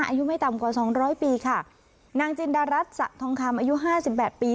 อายุไม่ต่ำกว่าสองร้อยปีค่ะนางจินดารัฐสะทองคำอายุห้าสิบแปดปี